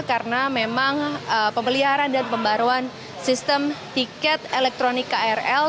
karena memang pemeliharaan dan pembaruan sistem tiket elektronik krl